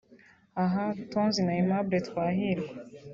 Aha Tonzi na Aimable Twahirwa